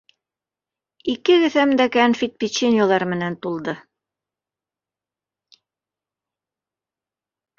Ике кеҫәм дә кәнфит-печеньелар менән тулды.